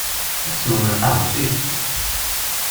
Ad teswem lqahwa s uyefki.